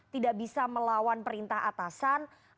tidak bisa melawan perintah atasan